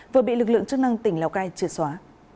vừa bị lực lượng chức năng tỉnh lào cai trượt xóa